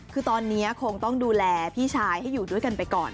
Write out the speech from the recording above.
คือตอนนี้คงต้องดูแลพี่ชายให้อยู่ด้วยกันไปก่อน